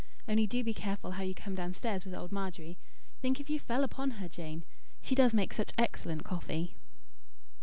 Only do be careful how you come downstairs with old Margery. Think if you fell upon her, Jane! She does make such excellent coffee!"